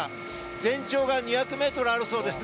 全長が２００ｍあるそうです。